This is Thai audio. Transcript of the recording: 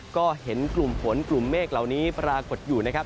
ก็เห็นกลุ่มฝนกลุ่มเมฆเหล่านี้ปรากฏอยู่นะครับ